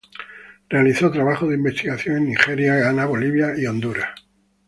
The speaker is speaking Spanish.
Realizó trabajos de investigación en Nigeria, Ghana, Bolivia y Honduras.